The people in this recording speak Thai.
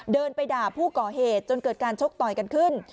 เดินไปด่าผู้ก่อเหตุจนเกิดการชกต่อยกันขึ้น